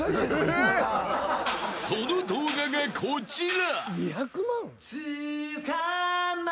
［その動画がこちら！］